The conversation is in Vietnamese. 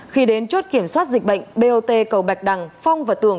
khi đến chốt kiểm soát dịch bệnh bot cầu bạch đằng phong và tường